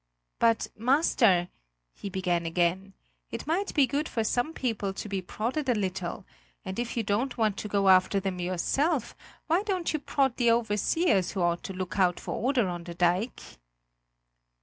"But, master," he began again, "it might be good for some people to be prodded a little, and if you don't want to go after them yourself, why don't you prod the overseers who ought to look out for order on the dike?"